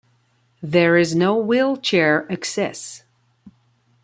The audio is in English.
There is no wheelchair access.